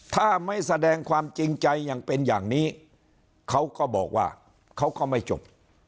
ถ้าไม่แสดงความจริงใจยังเป็นอย่างนี้เขาก็บอกว่าเขาก็ไม่จบ